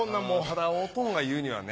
ただおとんが言うにはね。